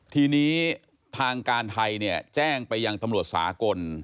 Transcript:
ทีนี้ทางการไทยเนี่ยแจ้งไปยังตำรวจสากล